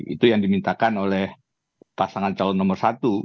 itu yang dimintakan oleh pasangan calon nomor satu